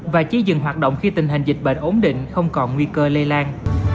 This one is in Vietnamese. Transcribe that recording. và chỉ dừng hoạt động khi tình hình dịch bệnh ổn định không còn nguy cơ lây lan